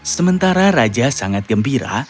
sementara raja sangat gembira